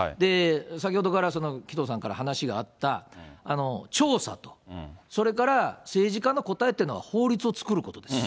先ほどから紀藤さんから話があった、調査と、それから政治家の答えというのは法律を作ることです。